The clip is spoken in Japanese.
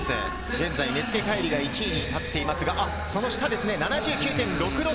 現在、根附海龍が１位に立っていますが、その下です、７９．６６。